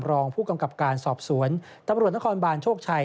รองผู้กำกับการสอบสวนตำรวจนครบานโชคชัย